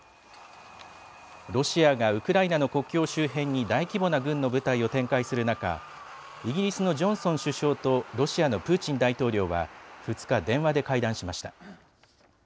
ロシアがウクライナの国境周辺に大規模な軍の部隊を展開する中、イギリスのジョンソン首相とロシアのプーチン大統領は、２日、電話で会談しました。